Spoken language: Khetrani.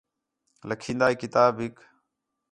لَکھین٘دا ہِے کتاب ہِک